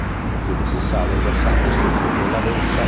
Infine si sale il versante sud della vetta.